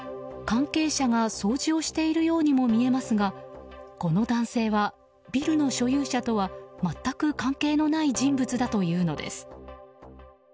関係者が掃除をしているようにも見えますがこの男性は、ビルの所有者とは全く関係のない人物だというのです。